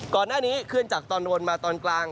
ก่อนหน้านี้เคลื่อนจากตอนบนมาตอนกลาง